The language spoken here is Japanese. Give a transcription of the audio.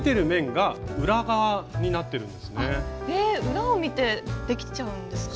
裏を見てできちゃうんですか？